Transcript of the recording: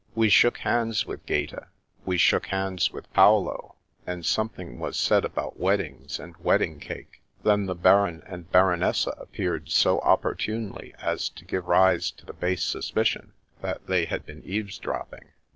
We shook hands with Gaeta ; we shook hands with Paolo, and something was said about weddings and wedding cake. Then the Baron and Baronessa appeared so opportunely as to give rise to the base suspicion that they had been eaves dropping.